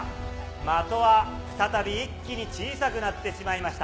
的は再び一気に小さくなってしまいました。